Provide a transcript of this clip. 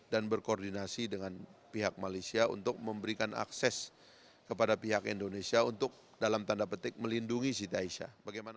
dan berkoordinasi dengan pihak malaysia untuk memberikan akses kepada pihak indonesia untuk dalam tanda petik melindungi siti aisyah